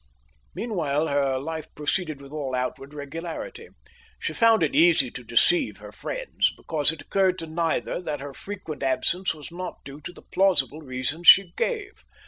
Meanwhile her life proceeded with all outward regularity. She found it easy to deceive her friends, because it occurred to neither that her frequent absence was not due to the plausible reasons she gave.